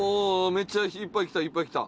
めっちゃいっぱい来たいっぱい来た！